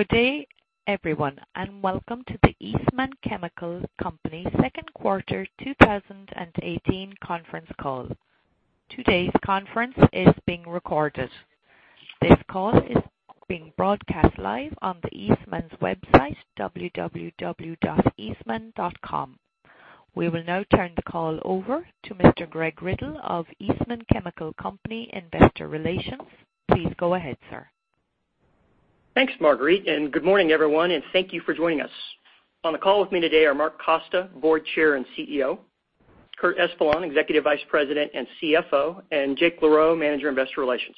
Good day everyone, welcome to the Eastman Chemical Company second quarter 2018 conference call. Today's conference is being recorded. This call is being broadcast live on Eastman's website, www.eastman.com. We will now turn the call over to Mr. Greg Riddle of Eastman Chemical Company Investor Relations. Please go ahead, sir. Thanks, Marguerite, good morning everyone, thank you for joining us. On the call with me today are Mark Costa, Board Chair and CEO, Curtis Espeland, Executive Vice President and CFO, Jake LaRoe, Manager Investor Relations.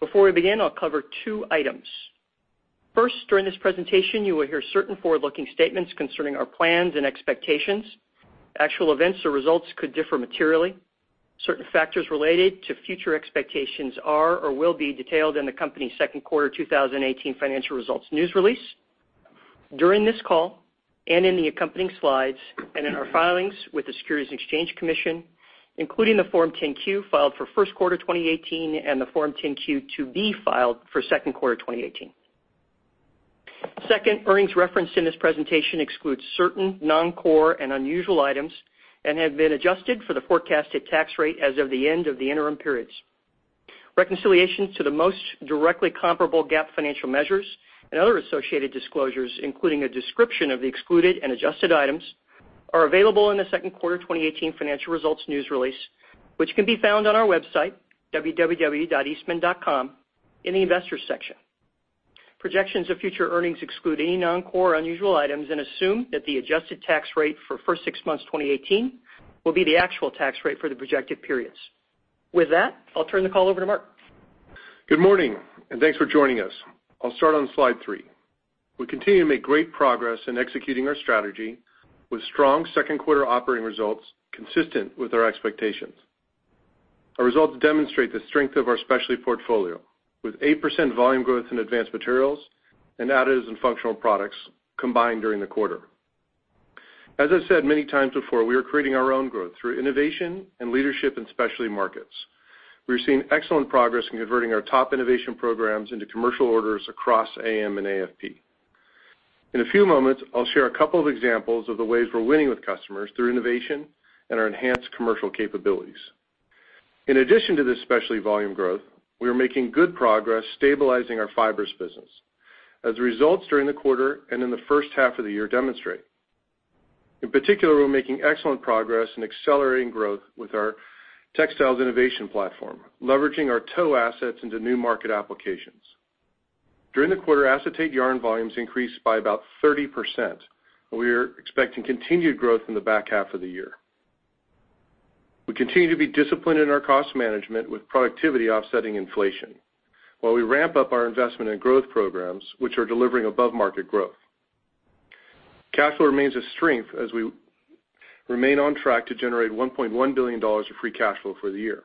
Before we begin, I'll cover two items. First, during this presentation, you will hear certain forward-looking statements concerning our plans and expectations. Actual events or results could differ materially. Certain factors related to future expectations are or will be detailed in the company's second quarter 2018 financial results news release, during this call and in the accompanying slides, and in our filings with the Securities and Exchange Commission, including the Form 10-Q filed for first quarter 2018 and the Form 10-Q to be filed for second quarter 2018. Second, earnings referenced in this presentation excludes certain non-core and unusual items and have been adjusted for the forecasted tax rate as of the end of the interim periods. Reconciliation to the most directly comparable GAAP financial measures and other associated disclosures, including a description of the excluded and adjusted items, are available in the second quarter 2018 financial results news release, which can be found on our website, www.eastman.com, in the investors section. Projections of future earnings exclude any non-core unusual items and assume that the adjusted tax rate for first six months 2018 will be the actual tax rate for the projected periods. With that, I'll turn the call over to Mark. Good morning, thanks for joining us. I'll start on slide three. We continue to make great progress in executing our strategy with strong second quarter operating results consistent with our expectations. Our results demonstrate the strength of our specialty portfolio with 8% volume growth in Advanced Materials and Additives & Functional Products combined during the quarter. As I've said many times before, we are creating our own growth through innovation and leadership in specialty markets. We are seeing excellent progress in converting our top innovation programs into commercial orders across AM and AFP. In a few moments, I'll share a couple of examples of the ways we're winning with customers through innovation and our enhanced commercial capabilities. In addition to this specialty volume growth, we are making good progress stabilizing our Fibers business. As results during the quarter and in the first half of the year demonstrate. In particular, we're making excellent progress in accelerating growth with our textiles innovation platform, leveraging our tow assets into new market applications. During the quarter, acetate yarn volumes increased by about 30%, and we are expecting continued growth in the back half of the year. We continue to be disciplined in our cost management, with productivity offsetting inflation while we ramp up our investment in growth programs, which are delivering above-market growth. Cash flow remains a strength as we remain on track to generate $1.1 billion of free cash flow for the year.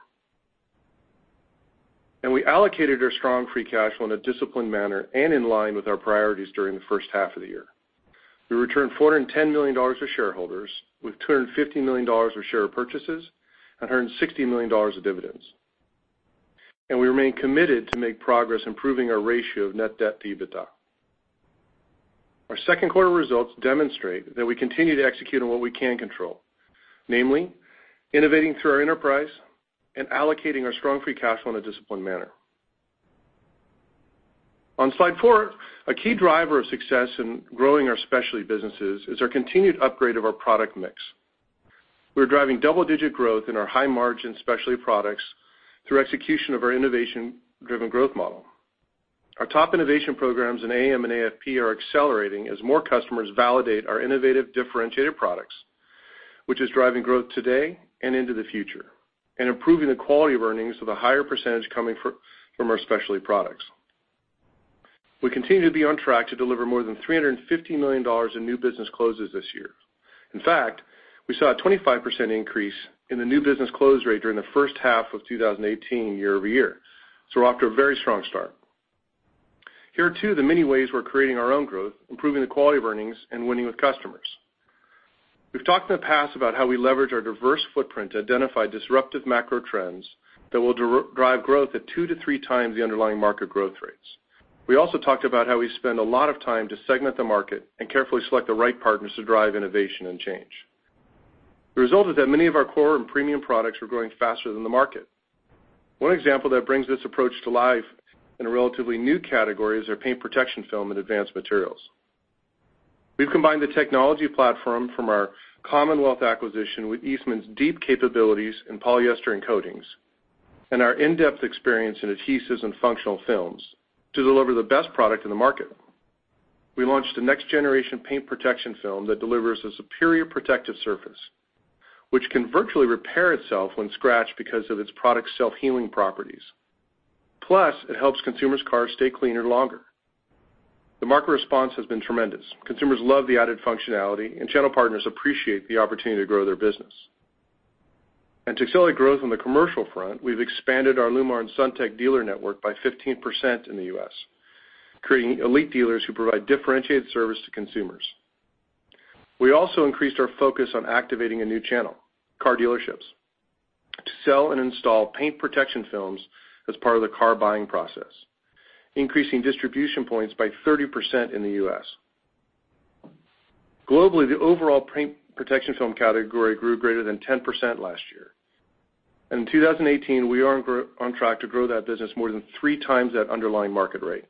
We allocated our strong free cash flow in a disciplined manner and in line with our priorities during the first half of the year. We returned $410 million to shareholders with $250 million of share purchases and $160 million of dividends. We remain committed to make progress improving our ratio of net debt to EBITDA. Our second quarter results demonstrate that we continue to execute on what we can control, namely innovating through our enterprise and allocating our strong free cash flow in a disciplined manner. On slide four, a key driver of success in growing our specialty businesses is our continued upgrade of our product mix. We are driving double-digit growth in our high-margin specialty products through execution of our innovation-driven growth model. Our top innovation programs in AM and AFP are accelerating as more customers validate our innovative, differentiated products, which is driving growth today and into the future, and improving the quality of earnings with a higher percentage coming from our specialty products. We continue to be on track to deliver more than $350 million in new business closes this year. In fact, we saw a 25% increase in the new business close rate during the first half of 2018 year-over-year. We're off to a very strong start. Here are two of the many ways we're creating our own growth, improving the quality of earnings, and winning with customers. We've talked in the past about how we leverage our diverse footprint to identify disruptive macro trends that will drive growth at two to three times the underlying market growth rates. We also talked about how we spend a lot of time to segment the market and carefully select the right partners to drive innovation and change. The result is that many of our core and premium products are growing faster than the market. One example that brings this approach to life in a relatively new category is our paint protection film in Advanced Materials. We've combined the technology platform from our Commonwealth acquisition with Eastman's deep capabilities in polyester and coatings and our in-depth experience in adhesives and functional films to deliver the best product in the market. We launched a next-generation paint protection film that delivers a superior protective surface, which can virtually repair itself when scratched because of its product's self-healing properties. It helps consumers' cars stay cleaner longer. The market response has been tremendous. Consumers love the added functionality, and channel partners appreciate the opportunity to grow their business. To accelerate growth on the commercial front, we've expanded our LLumar and SunTek dealer network by 15% in the U.S., creating elite dealers who provide differentiated service to consumers. We also increased our focus on activating a new channel, car dealerships, to sell and install paint protection films as part of the car buying process, increasing distribution points by 30% in the U.S. Globally, the overall paint protection film category grew greater than 10% last year. In 2018, we are on track to grow that business more than three times that underlying market rate.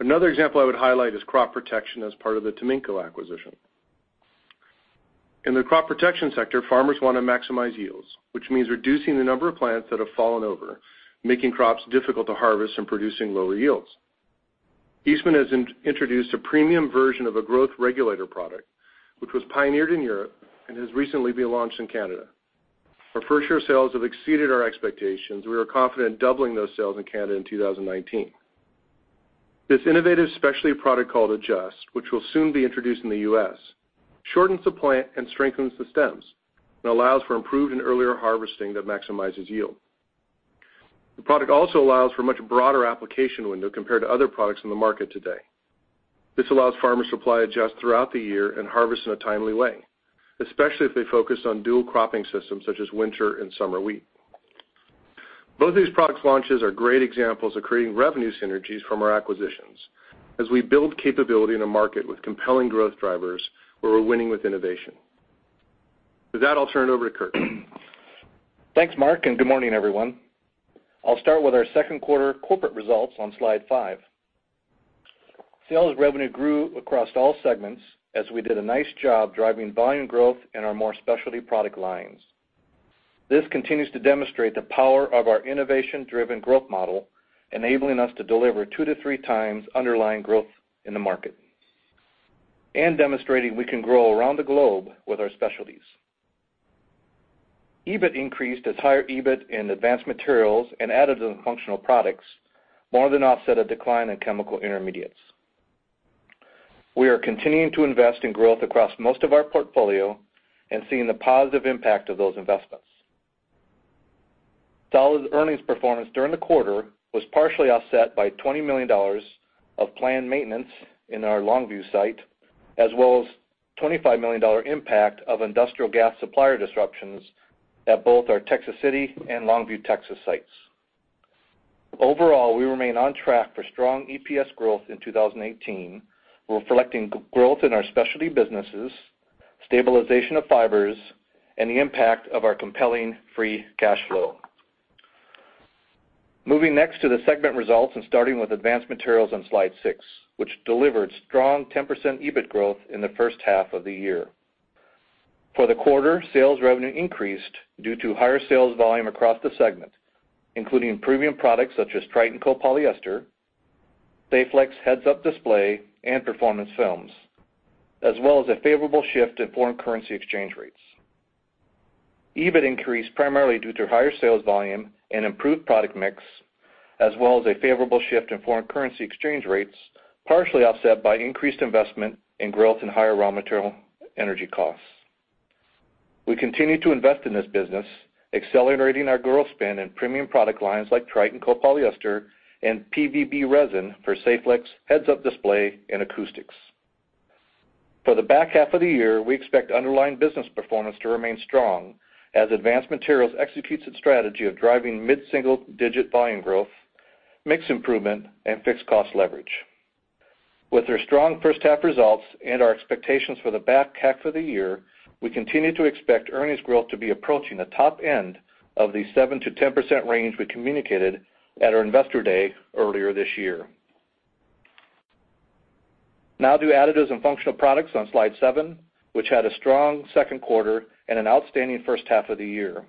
Another example I would highlight is crop protection as part of the Taminco acquisition. In the crop protection sector, farmers want to maximize yields, which means reducing the number of plants that have fallen over, making crops difficult to harvest and producing lower yields. Eastman has introduced a premium version of a growth regulator product, which was pioneered in Europe and has recently been launched in Canada. Our first-year sales have exceeded our expectations. We are confident doubling those sales in Canada in 2019. This innovative specialty product called Adjust, which will soon be introduced in the U.S., shortens the plant and strengthens the stems and allows for improved and earlier harvesting that maximizes yield. The product also allows for much broader application window compared to other products in the market today. This allows farmers to apply Adjust throughout the year and harvest in a timely way, especially if they focus on dual cropping systems such as winter and summer wheat. Both these product launches are great examples of creating revenue synergies from our acquisitions as we build capability in a market with compelling growth drivers where we're winning with innovation. With that, I'll turn it over to Kurtis. Thanks, Mark, and good morning, everyone. I'll start with our second quarter corporate results on slide five. Sales revenue grew across all segments as we did a nice job driving volume growth in our more specialty product lines. This continues to demonstrate the power of our innovation-driven growth model, enabling us to deliver two to three times underlying growth in the market and demonstrating we can grow around the globe with our specialties. EBIT increased as higher EBIT in Advanced Materials and Additives & Functional Products more than offset a decline in Chemical Intermediates. We are continuing to invest in growth across most of our portfolio and seeing the positive impact of those investments. Solid earnings performance during the quarter was partially offset by $20 million of planned maintenance in our Longview site, as well as $25 million impact of industrial gas supplier disruptions at both our Texas City and Longview, Texas sites. Overall, we remain on track for strong EPS growth in 2018. We're reflecting growth in our specialty businesses, stabilization of Fibers, and the impact of our compelling free cash flow. Moving next to the segment results and starting with Advanced Materials on Slide six, which delivered strong 10% EBIT growth in the first half of the year. For the quarter, sales revenue increased due to higher sales volume across the segment, including premium products such as Tritan copolyester, Saflex heads-up display, and performance films, as well as a favorable shift in foreign currency exchange rates. EBIT increased primarily due to higher sales volume and improved product mix, as well as a favorable shift in foreign currency exchange rates, partially offset by increased investment in growth and higher raw material energy costs. We continue to invest in this business, accelerating our growth spend in premium product lines like Tritan copolyester and PVB resin for Saflex heads-up display and acoustics. For the back half of the year, we expect underlying business performance to remain strong as Advanced Materials executes its strategy of driving mid-single-digit volume growth, mix improvement, and fixed cost leverage. With their strong first half results and our expectations for the back half of the year, we continue to expect earnings growth to be approaching the top end of the 7%-10% range we communicated at our Investor Day earlier this year. Now to Additives & Functional Products on Slide seven, which had a strong second quarter and an outstanding first half of the year.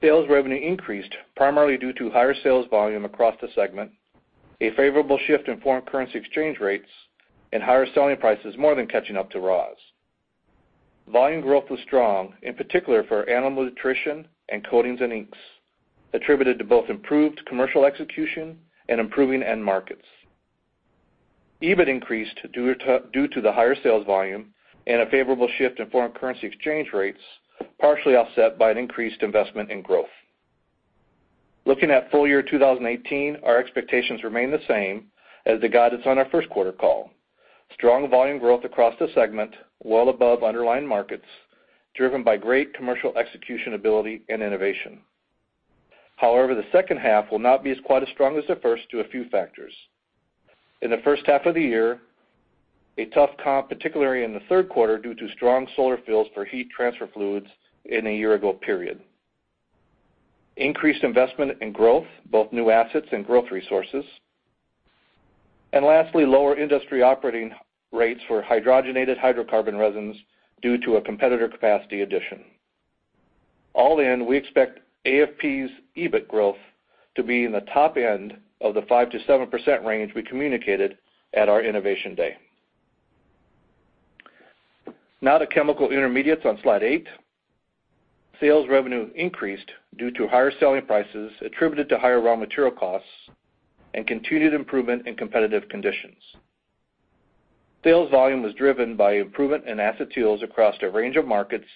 Sales revenue increased primarily due to higher sales volume across the segment, a favorable shift in foreign currency exchange rates, and higher selling prices more than catching up to raws. Volume growth was strong, in particular for animal nutrition and coatings and inks, attributed to both improved commercial execution and improving end markets. EBIT increased due to the higher sales volume and a favorable shift in foreign currency exchange rates, partially offset by an increased investment in growth. Looking at full year 2018, our expectations remain the same as the guidance on our first quarter call. Strong volume growth across the segment, well above underlying markets, driven by great commercial execution ability and innovation. The second half will not be as quite as strong as the first due to a few factors. In the first half of the year, a tough comp, particularly in the third quarter due to strong solar fills for heat transfer fluids in a year ago period. Increased investment in growth, both new assets and growth resources. Lastly, lower industry operating rates for hydrogenated hydrocarbon resins due to a competitor capacity addition. All in, we expect AFP's EBIT growth to be in the top end of the 5%-7% range we communicated at our Innovation Day. Now to Chemical Intermediates on Slide eight. Sales revenue increased due to higher selling prices attributed to higher raw material costs and continued improvement in competitive conditions. Sales volume was driven by improvement in acetyls across a range of markets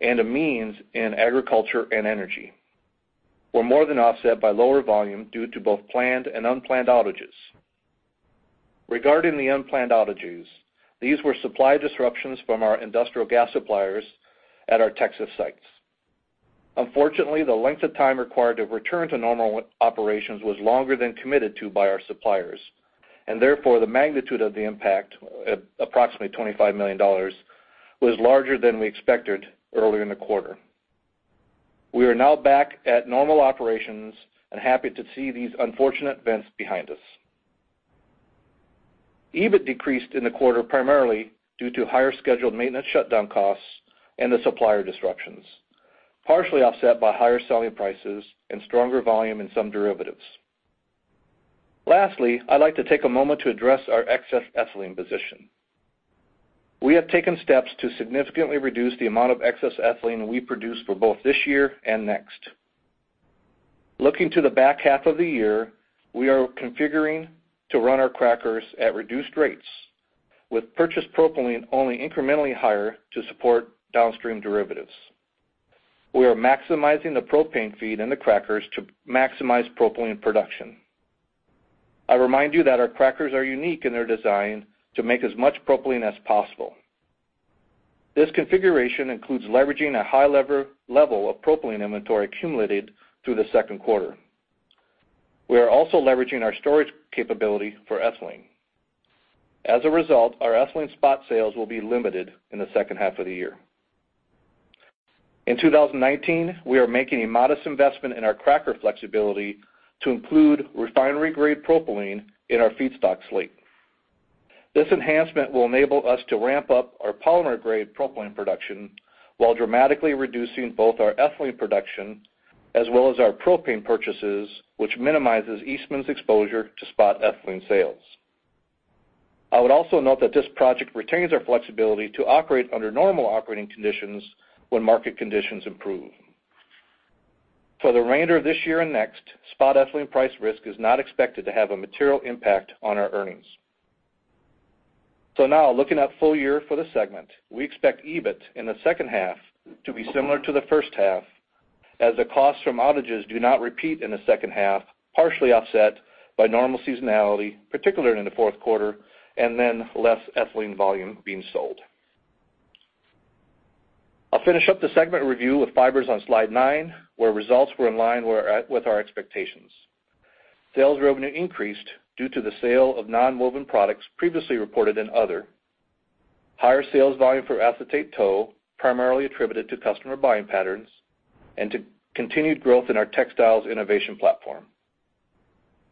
and amines in agriculture and energy. Were more than offset by lower volume due to both planned and unplanned outages. Regarding the unplanned outages, these were supply disruptions from our industrial gas suppliers at our Texas sites. Unfortunately, the length of time required to return to normal operations was longer than committed to by our suppliers, and therefore, the magnitude of the impact, approximately $25 million, was larger than we expected earlier in the quarter. We are now back at normal operations and happy to see these unfortunate events behind us. EBIT decreased in the quarter, primarily due to higher scheduled maintenance shutdown costs and the supplier disruptions, partially offset by higher selling prices and stronger volume in some derivatives. Lastly, I'd like to take a moment to address our excess ethylene position. We have taken steps to significantly reduce the amount of excess ethylene we produce for both this year and next. Looking to the back half of the year, we are configuring to run our crackers at reduced rates with purchased propylene only incrementally higher to support downstream derivatives. We are maximizing the propane feed in the crackers to maximize propylene production. I remind you that our crackers are unique in their design to make as much propylene as possible. This configuration includes leveraging a high level of propylene inventory accumulated through the second quarter. We are also leveraging our storage capability for ethylene. As a result, our ethylene spot sales will be limited in the second half of the year. In 2019, we are making a modest investment in our cracker flexibility to include refinery-grade propylene in our feedstock slate. This enhancement will enable us to ramp up our polymer-grade propylene production, while dramatically reducing both our ethylene production as well as our propane purchases, which minimizes Eastman's exposure to spot ethylene sales. I would also note that this project retains our flexibility to operate under normal operating conditions when market conditions improve. For the remainder of this year and next, spot ethylene price risk is not expected to have a material impact on our earnings. Now looking at full year for the segment, we expect EBIT in the second half to be similar to the first half, as the costs from outages do not repeat in the second half, partially offset by normal seasonality, particularly in the fourth quarter, less ethylene volume being sold. I'll finish up the segment review with Fibers on slide nine, where results were in line with our expectations. Sales revenue increased due to the sale of nonwoven products previously reported in other. Higher sales volume for acetate tow, primarily attributed to customer buying patterns and to continued growth in our textiles innovation platform.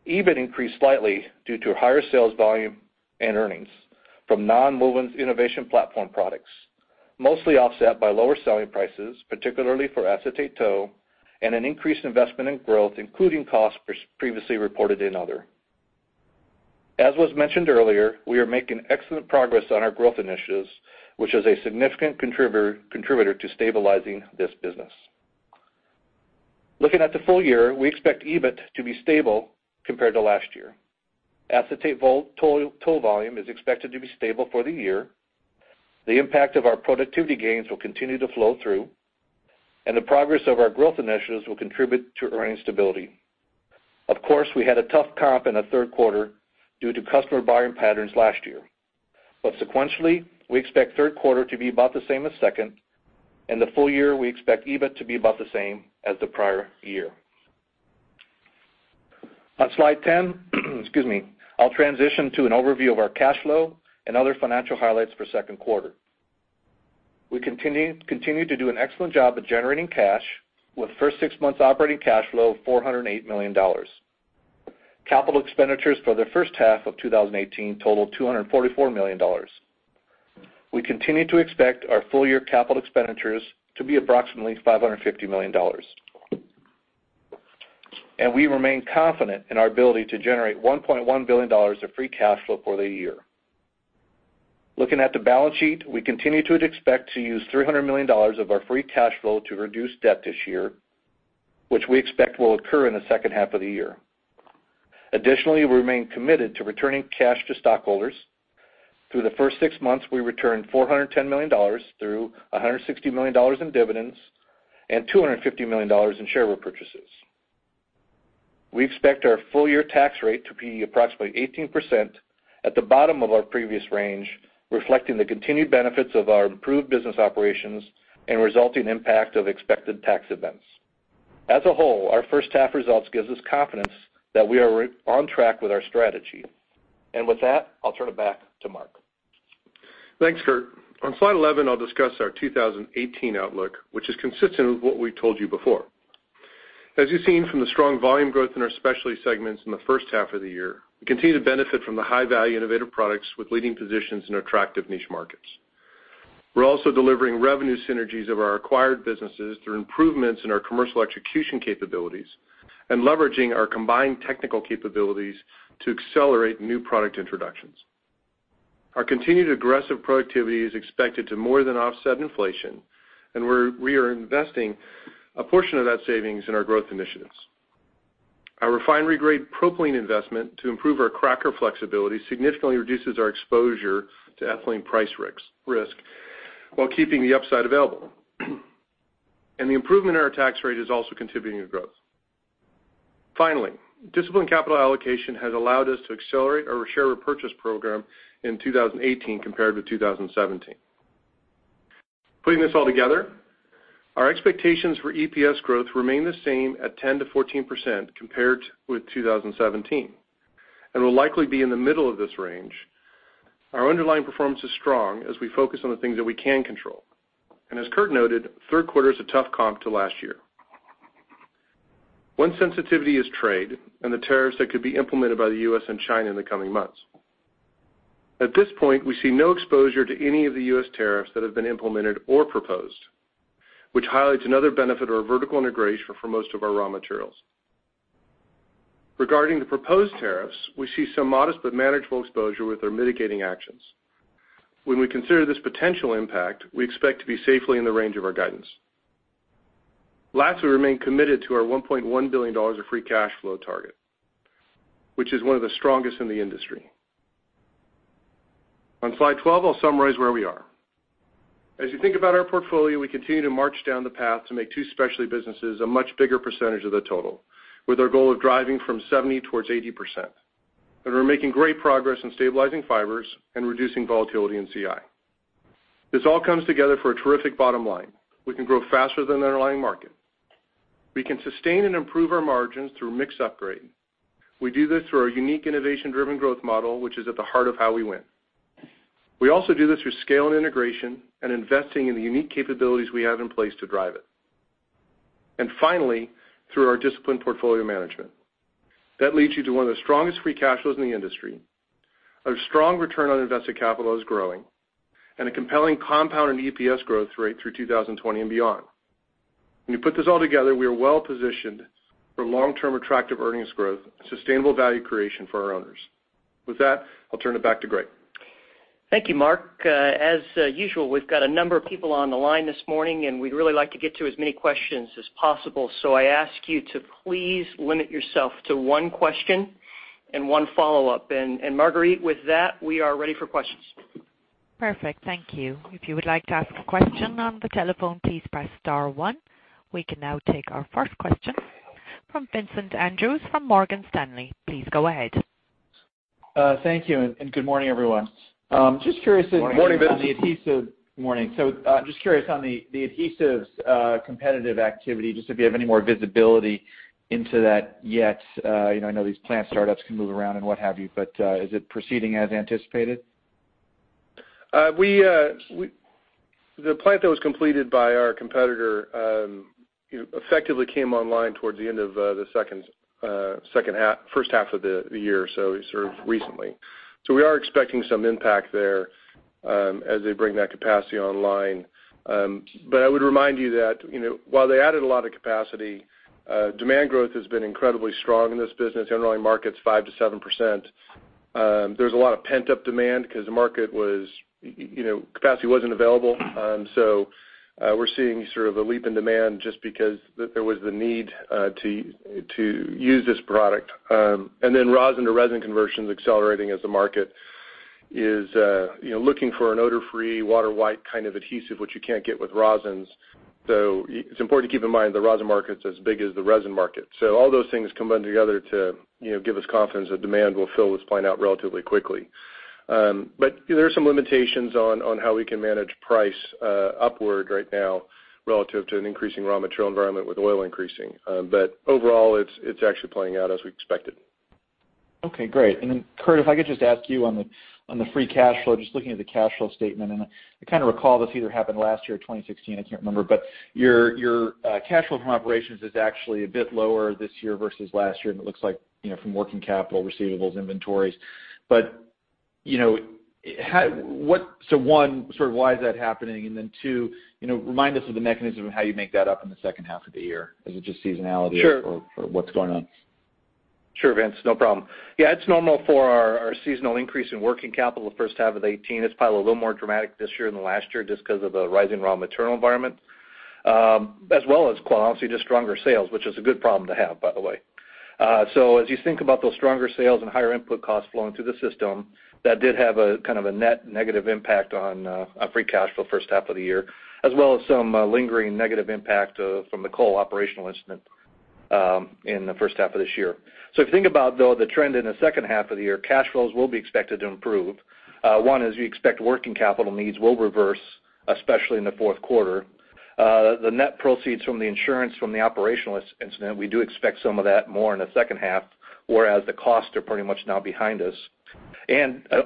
EBIT increased slightly due to higher sales volume and earnings from nonwovens innovation platform products, mostly offset by lower selling prices, particularly for acetate tow, and an increased investment in growth, including costs previously reported in other. As was mentioned earlier, we are making excellent progress on our growth initiatives, which is a significant contributor to stabilizing this business. Looking at the full year, we expect EBIT to be stable compared to last year. Acetate tow volume is expected to be stable for the year. The impact of our productivity gains will continue to flow through, and the progress of our growth initiatives will contribute to earnings stability. Of course, we had a tough comp in the third quarter due to customer buying patterns last year. Sequentially, we expect the third quarter to be about the same as the second, the full year, we expect EBIT to be about the same as the prior year. On slide 10, I'll transition to an overview of our cash flow and other financial highlights for the second quarter. We continued to do an excellent job of generating cash, with the first six months operating cash flow of $408 million. Capital expenditures for the first half of 2018 totaled $244 million. We continue to expect our full-year capital expenditures to be approximately $550 million. We remain confident in our ability to generate $1.1 billion of free cash flow for the year. Looking at the balance sheet, we continue to expect to use $300 million of our free cash flow to reduce debt this year, which we expect will occur in the second half of the year. We remain committed to returning cash to stockholders. Through the first six months, we returned $410 million through $160 million in dividends and $250 million in share repurchases. We expect our full-year tax rate to be approximately 18%, at the bottom of our previous range, reflecting the continued benefits of our improved business operations and resulting impact of expected tax events. As a whole, our first half results gives us confidence that we are on track with our strategy. With that, I'll turn it back to Mark. Thanks, Kurt. On slide 11, I'll discuss our 2018 outlook, which is consistent with what we told you before. As you've seen from the strong volume growth in our specialty segments in the first half of the year, we continue to benefit from the high-value innovative products with leading positions in attractive niche markets. We're also delivering revenue synergies of our acquired businesses through improvements in our commercial execution capabilities and leveraging our combined technical capabilities to accelerate new product introductions. Our continued aggressive productivity is expected to more than offset inflation, and we are investing a portion of that savings in our growth initiatives. Our refinery-grade propylene investment to improve our cracker flexibility significantly reduces our exposure to ethylene price risk while keeping the upside available. The improvement in our tax rate is also contributing to growth. Disciplined capital allocation has allowed us to accelerate our share repurchase program in 2018 compared with 2017. Putting this all together, our expectations for EPS growth remain the same at 10%-14% compared with 2017, and will likely be in the middle of this range. Our underlying performance is strong as we focus on the things that we can control. As Kurt noted, third quarter is a tough comp to last year. One sensitivity is trade and the tariffs that could be implemented by the U.S. and China in the coming months. At this point, we see no exposure to any of the U.S. tariffs that have been implemented or proposed, which highlights another benefit of our vertical integration for most of our raw materials. Regarding the proposed tariffs, we see some modest but manageable exposure with our mitigating actions. When we consider this potential impact, we expect to be safely in the range of our guidance. We remain committed to our $1.1 billion of free cash flow target, which is one of the strongest in the industry. On slide 12, I'll summarize where we are. As you think about our portfolio, we continue to march down the path to make two specialty businesses a much bigger percentage of the total, with our goal of driving from 70%-80%. We're making great progress in stabilizing Fibers and reducing volatility in CI. This all comes together for a terrific bottom line. We can grow faster than the underlying market. We can sustain and improve our margins through mix upgrade. We do this through our unique innovation-driven growth model, which is at the heart of how we win. We also do this through scale and integration and investing in the unique capabilities we have in place to drive it. Finally, through our disciplined portfolio management. That leads you to one of the strongest free cash flows in the industry. Our strong return on invested capital is growing, and a compelling compounded EPS growth rate through 2020 and beyond. When you put this all together, we are well-positioned for long-term attractive earnings growth and sustainable value creation for our owners. With that, I'll turn it back to Greg. Thank you, Mark. As usual, we've got a number of people on the line this morning, and we'd really like to get to as many questions as possible. I ask you to please limit yourself to one question and one follow-up. Marguerite, with that, we are ready for questions. Perfect. Thank you. If you would like to ask a question on the telephone, please press star one. We can now take our first question from Vincent Andrews from Morgan Stanley. Please go ahead. Thank you. Good morning, everyone. Morning, Vince. I'm just curious on the adhesives competitive activity, just if you have any more visibility into that yet. I know these plant startups can move around and what have you, but is it proceeding as anticipated? The plant that was completed by our competitor effectively came online towards the end of the first half of the year, so sort of recently. We are expecting some impact there as they bring that capacity online. I would remind you that while they added a lot of capacity, demand growth has been incredibly strong in this business, underlying market's 5%-7%. There's a lot of pent-up demand because capacity wasn't available. We're seeing sort of a leap in demand just because there was the need to use this product. Rosin to resin conversion is accelerating as the market is looking for an odor-free, water-white kind of adhesive, which you can't get with rosins. It's important to keep in mind the rosin market's as big as the resin market. All those things come together to give us confidence that demand will fill this plant out relatively quickly. There are some limitations on how we can manage price upward right now relative to an increasing raw material environment with oil increasing. Overall, it's actually playing out as we expected. Okay, great. Curtis, if I could just ask you on the free cash flow, just looking at the cash flow statement, I kind of recall this either happened last year or 2016, I can't remember, but your cash flow from operations is actually a bit lower this year versus last year, and it looks like from working capital, receivables, inventories. One, sort of why is that happening? Two, remind us of the mechanism of how you make that up in the second half of the year. Is it just seasonality or what's going on? Sure, Vince. No problem. It's normal for our seasonal increase in working capital the first half of 2018. It's probably a little more dramatic this year than the last year just because of the rising raw material environment. As well as quite honestly, just stronger sales, which is a good problem to have, by the way. As you think about those stronger sales and higher input costs flowing through the system, that did have kind of a net negative impact on free cash flow first half of the year, as well as some lingering negative impact from the coal operational incident in the first half of this year. If you think about, though, the trend in the second half of the year, cash flows will be expected to improve. One is we expect working capital needs will reverse, especially in the fourth quarter. The net proceeds from the insurance from the operational incident, we do expect some of that more in the second half, whereas the costs are pretty much now behind us.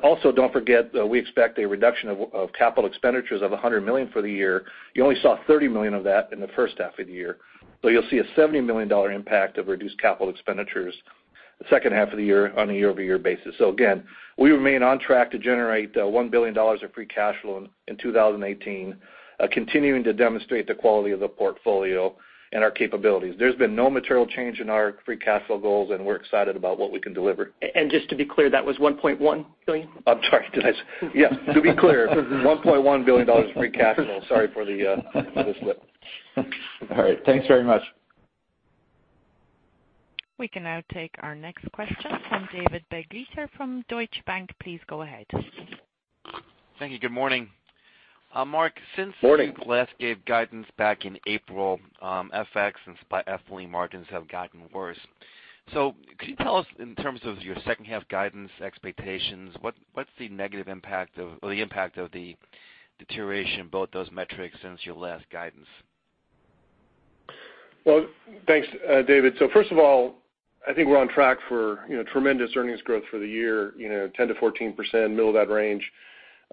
Also, don't forget, we expect a reduction of capital expenditures of $100 million for the year. You only saw $30 million of that in the first half of the year. You'll see a $70 million impact of reduced capital expenditures the second half of the year on a year-over-year basis. Again, we remain on track to generate $1.1 Billion of free cash flow in 2018, continuing to demonstrate the quality of the portfolio and our capabilities. There's been no material change in our free cash flow goals, we're excited about what we can deliver. Just to be clear, that was $1.1 billion? I'm sorry. Yeah. To be clear, $1.1 billion free cash flow. Sorry for the slip. All right. Thanks very much. We can now take our next question from David Begleiter from Deutsche Bank. Please go ahead. Thank you. Good morning. Morning. Mark, since you last gave guidance back in April, FX and spot ethylene margins have gotten worse. Can you tell us in terms of your second half guidance expectations, what's the negative impact of or the impact of the deterioration in both those metrics since your last guidance? Well, thanks, David. First of all, I think we're on track for tremendous earnings growth for the year. 10% to 14%, middle of that range,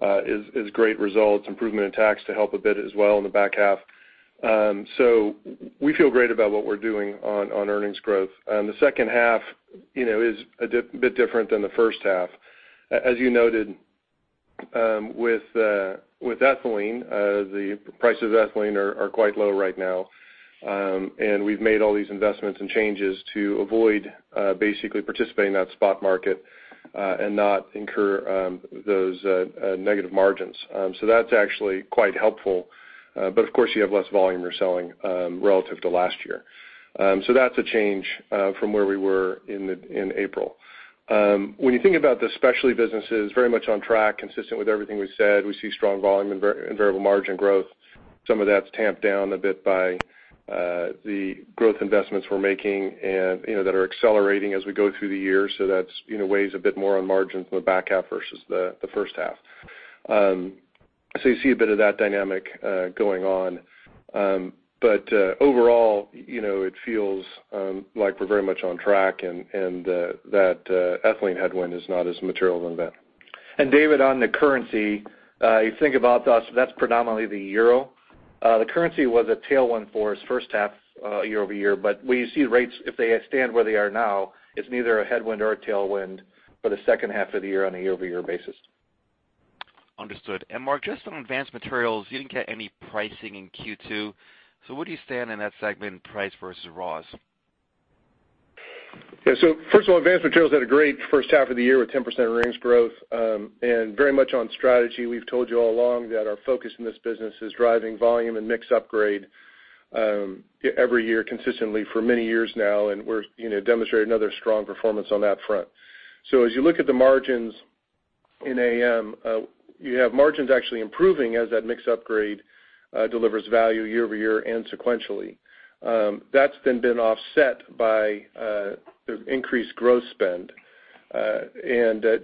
is great results. Improvement in tax to help a bit as well in the back half. We feel great about what we're doing on earnings growth. The second half is a bit different than the first half. As you noted, with ethylene, the prices of ethylene are quite low right now. We've made all these investments and changes to avoid basically participating in that spot market, and not incur those negative margins. That's actually quite helpful. Of course, you have less volume you're selling relative to last year. That's a change from where we were in April. When you think about the specialty businesses, very much on track, consistent with everything we said. We see strong volume and variable margin growth. Some of that's tamped down a bit by the growth investments we're making, and that are accelerating as we go through the year. That weighs a bit more on margins in the back half versus the first half. You see a bit of that dynamic going on. Overall, it feels like we're very much on track and that ethylene headwind is not as material an event. David, on the currency, you think about us, that's predominantly the euro. The currency was a tailwind for us first half year-over-year. When you see rates, if they stand where they are now, it's neither a headwind or a tailwind for the second half of the year on a year-over-year basis. Understood. Mark, just on Advanced Materials, you didn't get any pricing in Q2. Where do you stand in that segment in price versus raws? First of all, Advanced Materials had a great first half of the year with 10% earnings growth. Very much on strategy, we've told you all along that our focus in this business is driving volume and mix upgrade every year consistently for many years now, and we're demonstrating another strong performance on that front. As you look at the margins in AM, you have margins actually improving as that mix upgrade delivers value year-over-year and sequentially. That's been offset by increased growth spend.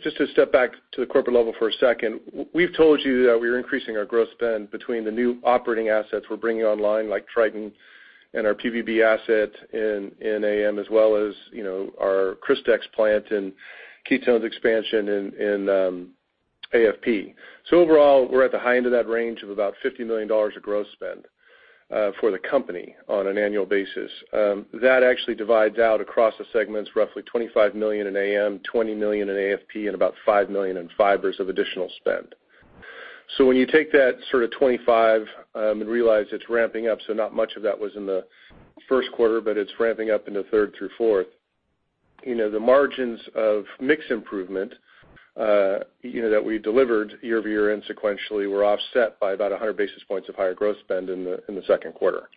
Just to step back to the corporate level for a second, we've told you that we are increasing our growth spend between the new operating assets we're bringing online, like Tritan and our PVB asset in AM, as well as our Crystex plant and ketones expansion in AFP. Overall, we're at the high end of that range of about $50 million of growth spend for the company on an annual basis. That actually divides out across the segments, roughly $25 million in AM, $20 million in AFP, and about $5 million in Fibers of additional spend. When you take that sort of 25, and realize it's ramping up, not much of that was in the first quarter, but it's ramping up into third through fourth. The margins of mix improvement that we delivered year-over-year and sequentially were offset by about 100 basis points of higher growth spend in the second quarter.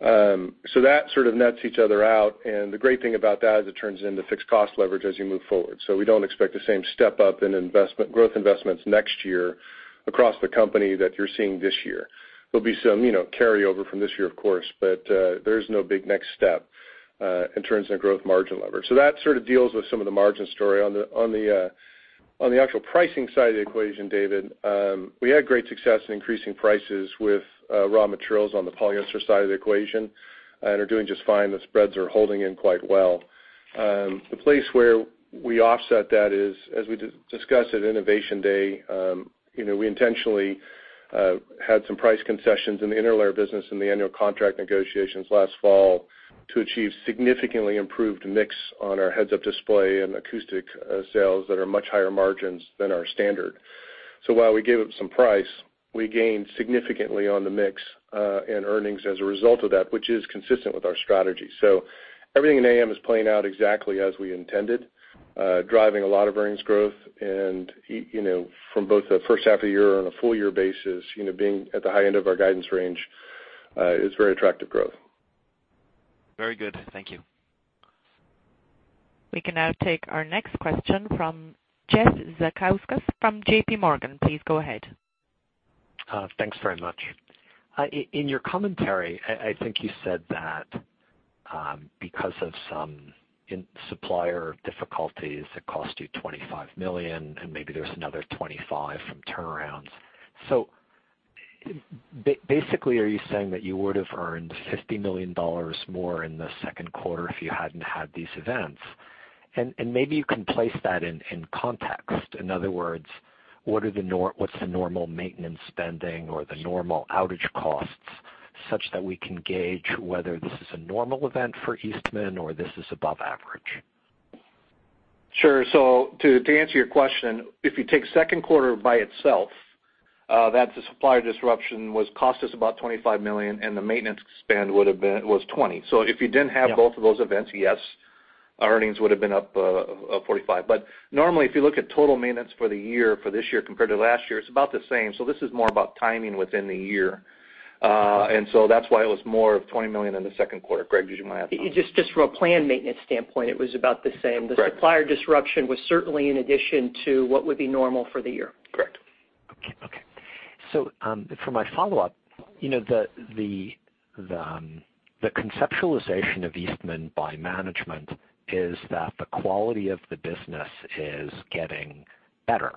That sort of nets each other out, and the great thing about that is it turns into fixed cost leverage as you move forward. We don't expect the same step up in growth investments next year across the company that you're seeing this year. There'll be some carryover from this year, of course, but there's no big next step in terms of growth margin leverage. That sort of deals with some of the margin story. On the actual pricing side of the equation, David, we had great success in increasing prices with raw materials on the polyester side of the equation and are doing just fine. The spreads are holding in quite well. The place where we offset that is, as we discussed at Innovation Day, we intentionally had some price concessions in the interlayer business in the annual contract negotiations last fall to achieve significantly improved mix on our heads-up display and acoustic sales that are much higher margins than our standard. While we gave up some price, we gained significantly on the mix, and earnings as a result of that, which is consistent with our strategy. Everything in AM is playing out exactly as we intended, driving a lot of earnings growth and, from both the first half of the year on a full-year basis, being at the high end of our guidance range, is very attractive growth. Very good. Thank you. We can now take our next question from Jeff Zekauskas from JPMorgan. Please go ahead. Thanks very much. In your commentary, I think you said that because of some supplier difficulties, it cost you $25 million, and maybe there's another $25 million from turnarounds. Basically, are you saying that you would have earned $50 million more in the second quarter if you hadn't had these events? And maybe you can place that in context. In other words, what's the normal maintenance spending or the normal outage costs, such that we can gauge whether this is a normal event for Eastman or this is above average? Sure. To answer your question, if you take second quarter by itself The supplier disruption cost us about $25 million, the maintenance spend was $20 million. If you didn't have both of those events, yes, our earnings would have been up $45 million. Normally, if you look at total maintenance for this year compared to last year, it's about the same. This is more about timing within the year. That's why it was more of $20 million in the second quarter. Greg, did you want to add to that? Just from a planned maintenance standpoint, it was about the same. Correct. The supplier disruption was certainly in addition to what would be normal for the year. Correct. Okay. For my follow-up, the conceptualization of Eastman by management is that the quality of the business is getting better,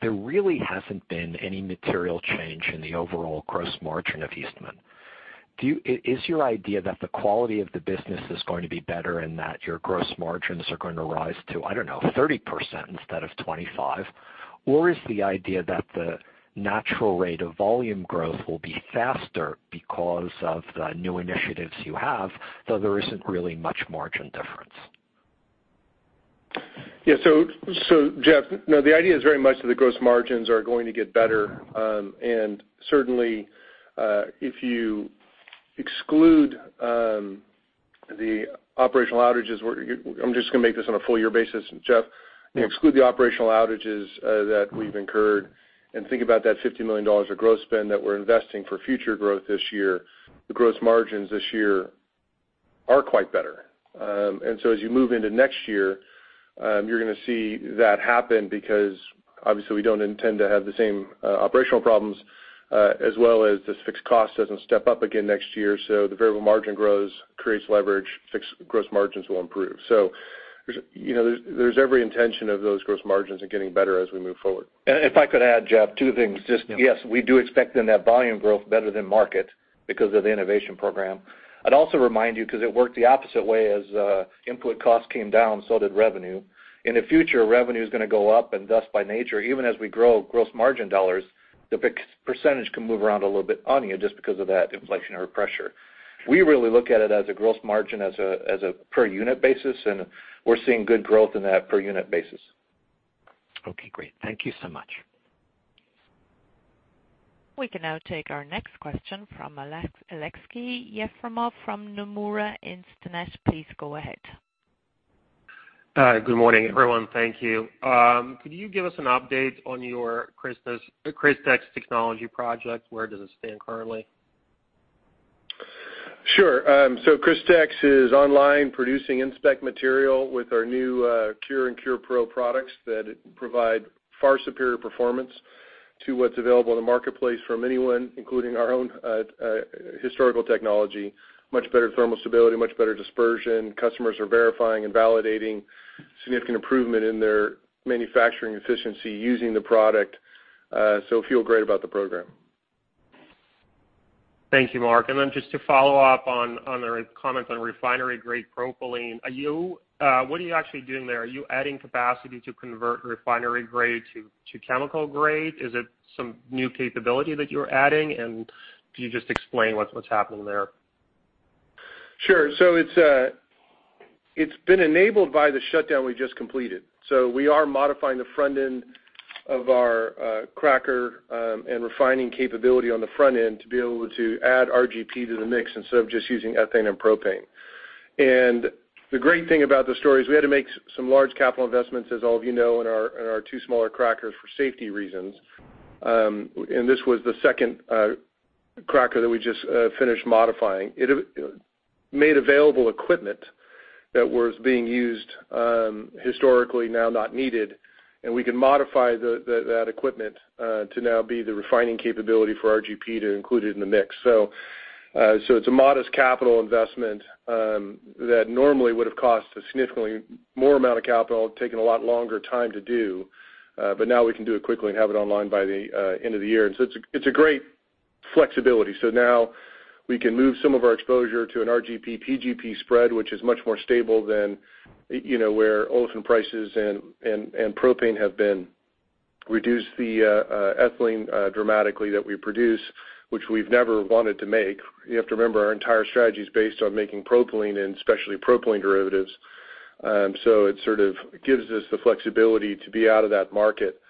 there really hasn't been any material change in the overall gross margin of Eastman. Is your idea that the quality of the business is going to be better and that your gross margins are going to rise to, I don't know, 30% instead of 25%? Is the idea that the natural rate of volume growth will be faster because of the new initiatives you have, there isn't really much margin difference? Yeah. Jeff, no, the idea is very much that the gross margins are going to get better. Certainly, if you exclude the operational outages, I'm just going to make this on a full year basis, Jeff. Yeah. Exclude the operational outages that we've incurred, and think about that $50 million of gross spend that we're investing for future growth this year. The gross margins this year are quite better. As you move into next year, you're going to see that happen because obviously we don't intend to have the same operational problems, as well as this fixed cost doesn't step up again next year. The variable margin grows, creates leverage, fixed gross margins will improve. There's every intention of those gross margins are getting better as we move forward. If I could add, Jeff, two things. Just, yes, we do expect then that volume growth better than market because of the innovation program. I'd also remind you, because it worked the opposite way, as input costs came down, so did revenue. In the future, revenue is going to go up, and thus, by nature, even as we grow gross margin dollars, the percentage can move around a little bit on you just because of that inflationary pressure. We really look at it as a gross margin as a per unit basis, and we're seeing good growth in that per unit basis. Okay, great. Thank you so much. We can now take our next question from Aleksey Yefremov from Nomura Instinet. Please go ahead. Good morning, everyone. Thank you. Could you give us an update on your Crystex technology project? Where does it stand currently? Sure. Crystex is online producing in-spec material with our new CURE and CURE Pro products that provide far superior performance to what's available in the marketplace from anyone, including our own historical technology. Much better thermal stability, much better dispersion. Customers are verifying and validating significant improvement in their manufacturing efficiency using the product. Feel great about the program. Thank you, Mark. Then just to follow up on the comments on refinery-grade propylene, what are you actually doing there? Are you adding capacity to convert refinery grade to chemical grade? Is it some new capability that you're adding? Could you just explain what's happening there? Sure. It's been enabled by the shutdown we just completed. We are modifying the front end of our cracker, and refining capability on the front end to be able to add RGP to the mix instead of just using ethane and propane. The great thing about this story is we had to make some large capital investments, as all of you know, in our two smaller crackers for safety reasons. This was the second cracker that we just finished modifying. It made available equipment that was being used historically, now not needed, and we can modify that equipment to now be the refining capability for RGP to include it in the mix. It's a modest capital investment that normally would have cost a significantly more amount of capital, taken a lot longer time to do. Now we can do it quickly and have it online by the end of the year. It's a great flexibility. Now we can move some of our exposure to an RGP, PGP spread, which is much more stable than where olefin prices and propane have been. Reduce the ethylene dramatically that we produce, which we've never wanted to make. You have to remember, our entire strategy is based on making propylene and especially propylene derivatives. It sort of gives us the flexibility to be out of that market.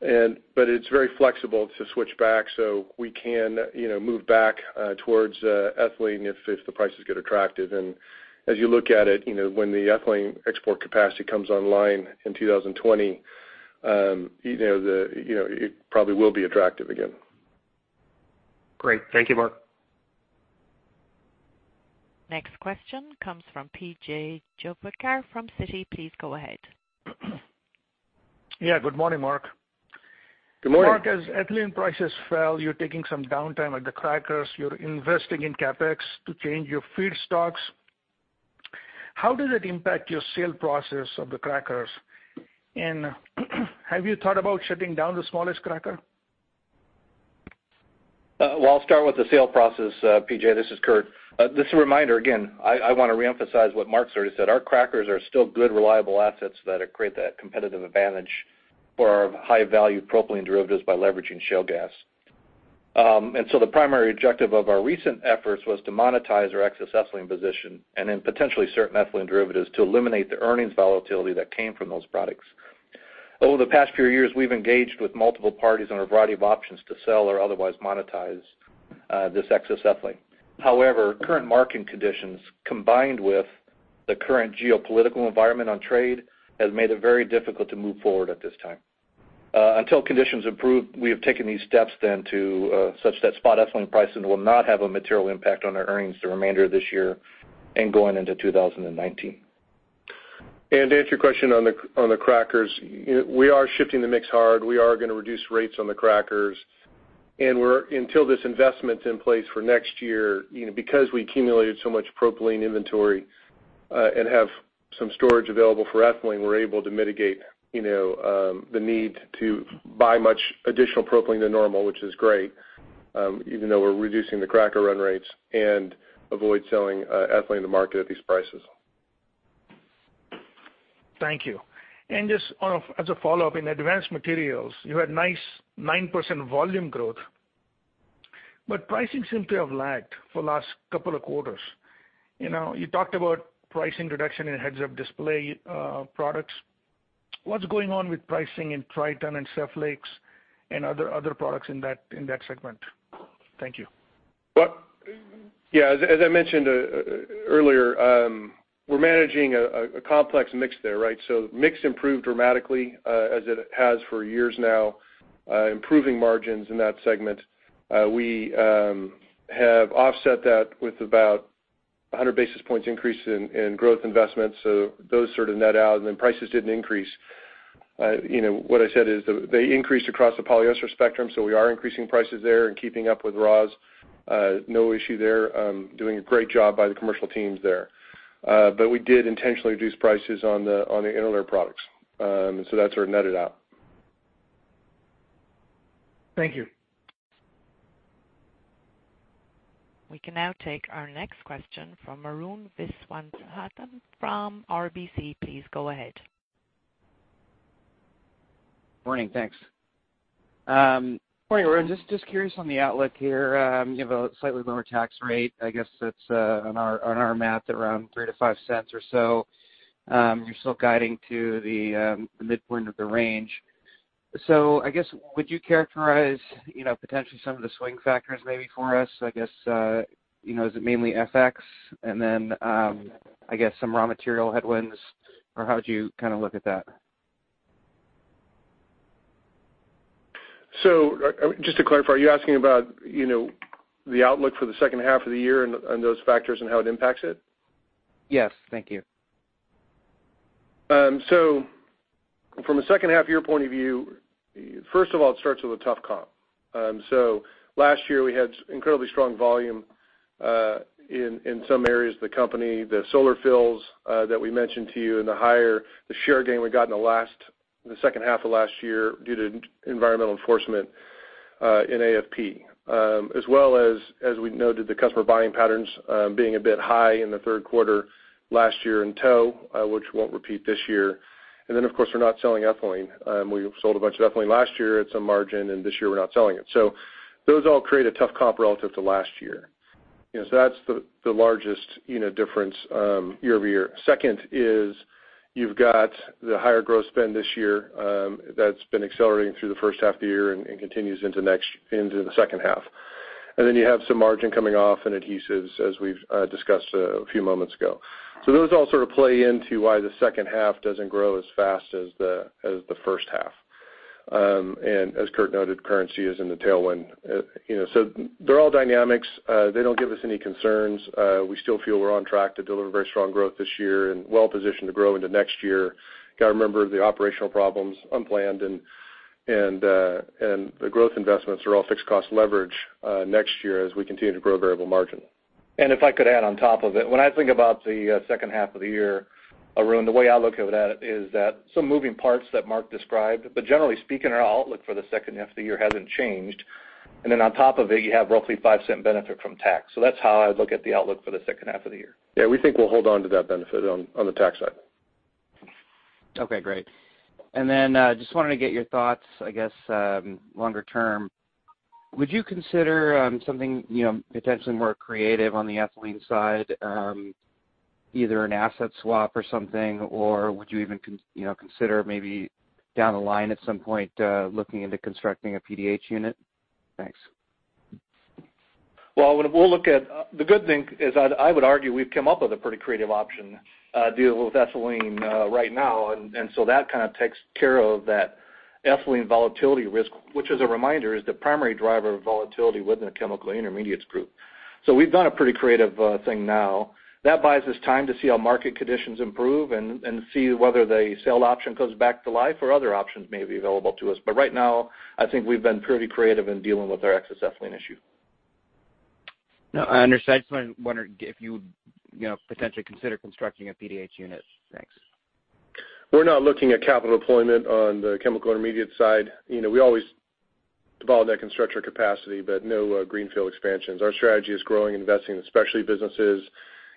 It's very flexible to switch back so we can move back towards ethylene if the prices get attractive. As you look at it, when the ethylene export capacity comes online in 2020, it probably will be attractive again. Great. Thank you, Mark Costa. Next question comes from P.J. Juvekar from Citi. Please go ahead. Yeah. Good morning, Mark. Good morning. Mark, as ethylene prices fell, you're taking some downtime at the crackers. You're investing in CapEx to change your feedstocks. How does it impact your sale process of the crackers? Have you thought about shutting down the smallest cracker? Well, I'll start with the sale process, P.J. This is Curtis. Just a reminder, again, I want to reemphasize what Mark sort of said. Our crackers are still good, reliable assets that create that competitive advantage for our high-value propylene derivatives by leveraging shale gas. The primary objective of our recent efforts was to monetize our excess ethylene position and in potentially certain ethylene derivatives to eliminate the earnings volatility that came from those products. Over the past few years, we've engaged with multiple parties on a variety of options to sell or otherwise monetize this excess ethylene. However, current market conditions, combined with the current geopolitical environment on trade, has made it very difficult to move forward at this time. Until conditions improve, we have taken these steps then to such that spot ethylene pricing will not have a material impact on our earnings the remainder of this year and going into 2019. To answer your question on the crackers, we are shifting the mix hard. We are going to reduce rates on the crackers. Until this investment's in place for next year, because we accumulated so much propylene inventory, and have some storage available for ethylene, we're able to mitigate the need to buy much additional propylene than normal, which is great, even though we're reducing the cracker run rates and avoid selling ethylene in the market at these prices. Thank you. Just as a follow-up, in Advanced Materials, you had nice 9% volume growth, but pricing seemed to have lagged for last couple of quarters. You talked about pricing reduction in heads-up display products. What's going on with pricing in Tritan and Saflex and other products in that segment? Thank you. Yeah, as I mentioned earlier, we're managing a complex mix there. Mix improved dramatically, as it has for years now, improving margins in that segment. We have offset that with about 100 basis points increase in growth investments, those sort of net out and then prices didn't increase. What I said is they increased across the polyester spectrum, we are increasing prices there and keeping up with raws. No issue there. Doing a great job by the commercial teams there. We did intentionally reduce prices on the interlayer products. That sort of netted out. Thank you. We can now take our next question from Arun Viswanathan from RBC. Please go ahead. Morning. Thanks. Morning. Just curious on the outlook here. You have a slightly lower tax rate. I guess that's on our math around $0.03-$0.05 or so. You're still guiding to the midpoint of the range. I guess, would you characterize potentially some of the swing factors maybe for us? I guess, is it mainly FX? I guess some raw material headwinds, or how do you kind of look at that? Just to clarify, are you asking about the outlook for the second half of the year and those factors and how it impacts it? Yes. Thank you. From a second half year point of view, first of all, it starts with a tough comp. Last year, we had incredibly strong volume, in some areas of the company, the solar films that we mentioned to you, and the share gain we got in the second half of last year due to environmental enforcement, in AFP. As well as we noted the customer buying patterns being a bit high in the third quarter last year in tow, which won't repeat this year. Of course, we're not selling ethylene. We sold a bunch of ethylene last year at some margin, and this year we're not selling it. Those all create a tough comp relative to last year. That's the largest difference year-over-year. Second is you've got the higher growth spend this year that's been accelerating through the first half of the year and continues into the second half. You have some margin coming off in adhesives, as we've discussed a few moments ago. Those all sort of play into why the second half doesn't grow as fast as the first half. As Kurt noted, currency is in the tailwind. They're all dynamics. They don't give us any concerns. We still feel we're on track to deliver very strong growth this year and well-positioned to grow into next year. Got to remember the operational problems, unplanned, and the growth investments are all fixed cost leverage next year as we continue to grow variable margin. If I could add on top of it, when I think about the second half of the year, Arun, the way I look at that is that some moving parts that Mark described, but generally speaking, our outlook for the second half of the year hasn't changed. On top of it, you have roughly $0.05 benefit from tax. That's how I look at the outlook for the second half of the year. Yeah, we think we'll hold on to that benefit on the tax side. Okay, great. Then, just wanted to get your thoughts, I guess, longer term. Would you consider something potentially more creative on the ethylene side? Either an asset swap or something, or would you even consider maybe down the line at some point, looking into constructing a PDH unit? Thanks. Well, the good thing is I would argue we've come up with a pretty creative option deal with ethylene right now. That kind of takes care of that ethylene volatility risk, which as a reminder, is the primary driver of volatility within the Chemical Intermediates group. We've done a pretty creative thing now. That buys us time to see how market conditions improve and see whether the sale option comes back to life or other options may be available to us. Right now, I think we've been pretty creative in dealing with our excess ethylene issue. No, I understand. Just wondering if you would potentially consider constructing a PDH unit. Thanks. We're not looking at capital deployment on the Chemical Intermediates side. We always develop that construction capacity, but no greenfield expansions. Our strategy is growing, investing in specialty businesses.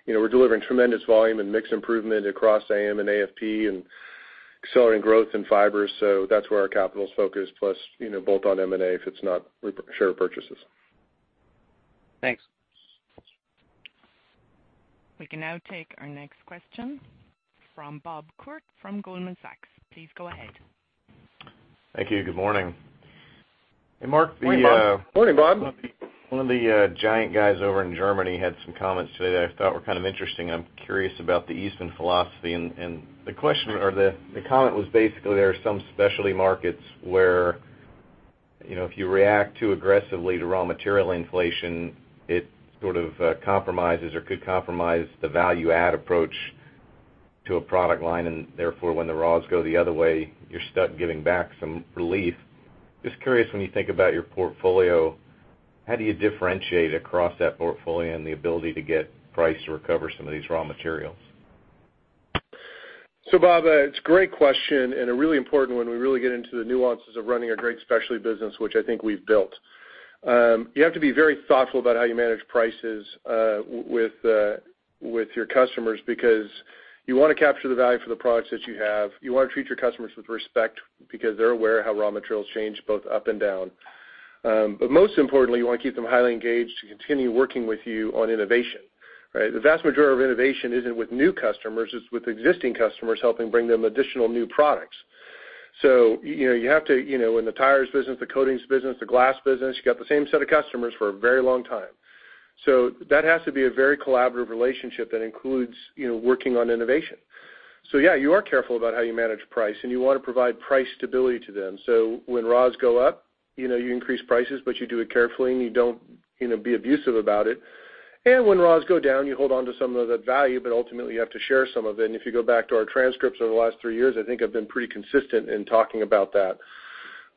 We're delivering tremendous volume and mix improvement across AM and AFP and accelerating growth in Fibers, so that's where our capital's focused, plus both on M&A, if it's not share purchases. Thanks. We can now take our next question from Bob Koort from Goldman Sachs. Please go ahead. Thank you. Good morning. Hey, Bob. Morning, Bob. Morning, Bob. One of the giant guys over in Germany had some comments today that I thought were kind of interesting. I'm curious about the Eastman philosophy. The question or the comment was basically there are some specialty markets where if you react too aggressively to raw material inflation, it sort of compromises or could compromise the value add approach to a product line. Therefore, when the raws go the other way, you're stuck giving back some relief. Just curious, when you think about your portfolio, how do you differentiate across that portfolio and the ability to get price to recover some of these raw materials? Bob, it's a great question and a really important one. We really get into the nuances of running a great specialty business, which I think we've built. You have to be very thoughtful about how you manage prices with your customers, because you want to capture the value for the products that you have. You want to treat your customers with respect because they're aware how raw materials change both up and down. Most importantly, you want to keep them highly engaged to continue working with you on innovation, right? The vast majority of innovation isn't with new customers, it's with existing customers helping bring them additional new products. You have to, in the tires business, the coatings business, the glass business, you got the same set of customers for a very long time. That has to be a very collaborative relationship that includes working on innovation. Yeah, you are careful about how you manage price, and you want to provide price stability to them. When raws go up, you increase prices, but you do it carefully, and you don't be abusive about it. When raws go down, you hold onto some of that value, but ultimately, you have to share some of it. If you go back to our transcripts over the last 3 years, I think I've been pretty consistent in talking about that,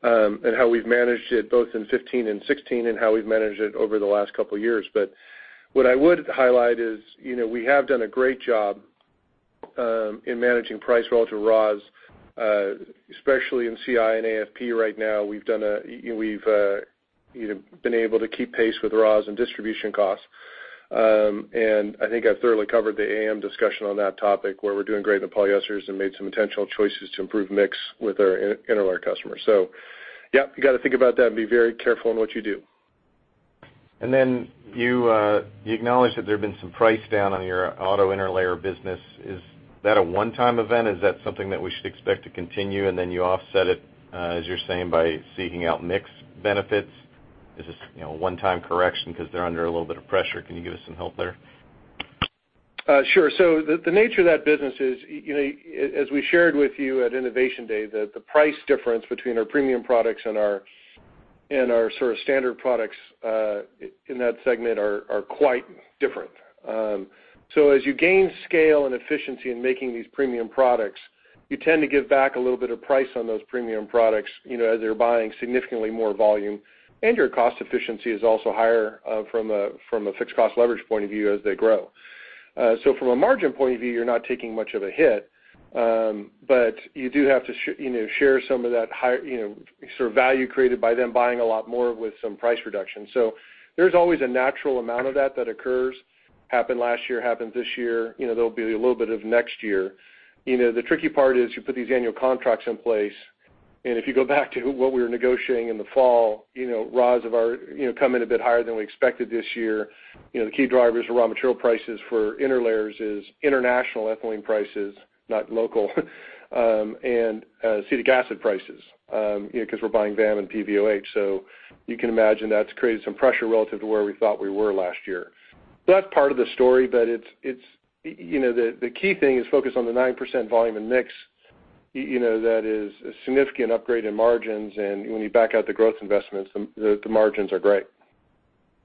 and how we've managed it both in 2015 and 2016 and how we've managed it over the last couple of years. What I would highlight is we have done a great job in managing price relative to raws, especially in CI and AFP right now. We've been able to keep pace with raws and distribution costs. I think I've thoroughly covered the AM discussion on that topic, where we're doing great in the polyesters and made some intentional choices to improve mix with our interlayer customers. Yep, you got to think about that and be very careful in what you do. Then you acknowledged that there had been some price down on your auto interlayer business. Is that a one-time event? Is that something that we should expect to continue, and then you offset it, as you're saying, by seeking out mix benefits? Is this a one-time correction because they're under a little bit of pressure? Can you give us some help there? Sure. The nature of that business is, as we shared with you at Innovation Day, that the price difference between our premium products and our sort of standard products in that segment are quite different. As you gain scale and efficiency in making these premium products, you tend to give back a little bit of price on those premium products as they're buying significantly more volume. Your cost efficiency is also higher from a fixed cost leverage point of view as they grow. From a margin point of view, you're not taking much of a hit. You do have to share some of that sort of value created by them buying a lot more with some price reduction. There's always a natural amount of that that occurs. Happened last year, happened this year. There'll be a little bit of next year. The tricky part is you put these annual contracts in place. If you go back to what we were negotiating in the fall, raws have come in a bit higher than we expected this year. The key drivers for raw material prices for interlayers is international ethylene prices, not local, and acetic acid prices, because we're buying VAM and PVOH. You can imagine that's created some pressure relative to where we thought we were last year. That's part of the story, but the key thing is focus on the 9% volume in mix. That is a significant upgrade in margins. When you back out the growth investments, the margins are great.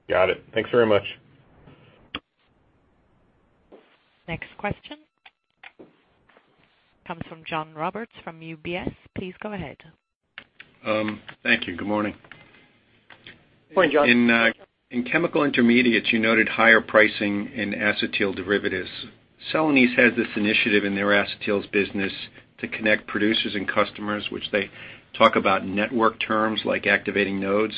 Got it. Thanks very much. Next question comes from John Roberts from UBS. Please go ahead. Thank you. Good morning. Morning, John. In Chemical Intermediates, you noted higher pricing in acetyl derivatives. Celanese has this initiative in their acetyls business to connect producers and customers, which they talk about network terms like activating nodes.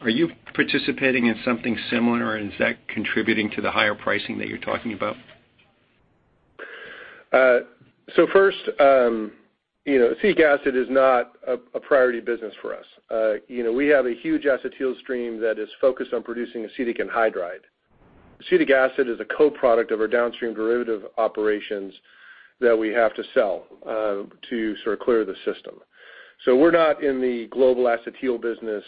Are you participating in something similar, or is that contributing to the higher pricing that you're talking about? First, acetic acid is not a priority business for us. We have a huge acetyl stream that is focused on producing acetic anhydride. Acetic acid is a co-product of our downstream derivative operations that we have to sell to sort of clear the system. We're not in the global acetyl business